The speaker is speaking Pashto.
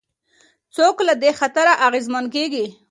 څوک له دې خطره اغېزمن کېږي؟